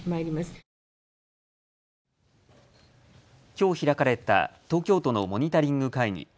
きょう開かれた東京都のモニタリング会議。